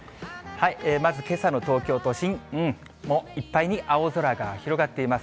まずけさの東京都心、もういっぱいに青空が広がっています。